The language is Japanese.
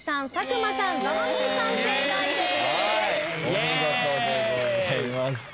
お見事でございます。